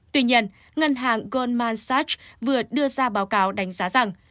tuy nhiên ngân hàng goldman sachs vừa đưa ra báo cáo đánh giá rằng